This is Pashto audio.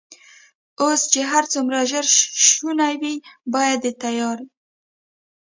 اوس چې هر څومره ژر شونې وي، باید د تیارې.